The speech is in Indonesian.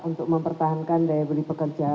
untuk mempertahankan daya beli pekerja